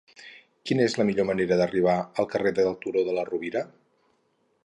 Quina és la millor manera d'arribar al carrer del Turó de la Rovira?